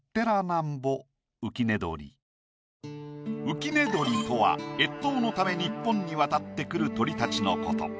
「浮寝鳥」とは越冬のため日本に渡ってくる鳥たちのこと。